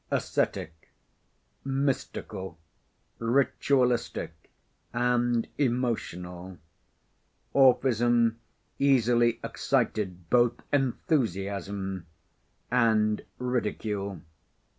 Ascetic, mystical, ritualistic, and emotional, Orphism easily excited both enthusiasm and ridicule.